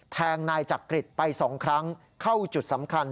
แทงนายจักริตไป๒ครั้งเข้าจุดสำคัญ